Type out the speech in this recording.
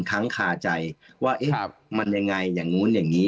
ค้างคาใจว่ามันยังไงอย่างนู้นอย่างนี้